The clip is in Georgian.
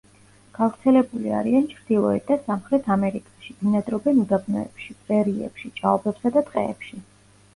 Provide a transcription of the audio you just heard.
გავრცელებული არიან ჩრდილოეთ და სამხრეთ ამერიკაში; ბინადრობენ უდაბნოებში, პრერიებში, ჭაობებსა და ტყეებში.